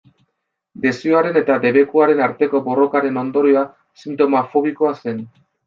Desioaren eta debekuaren arteko borrokaren ondorioa sintoma fobikoa zen.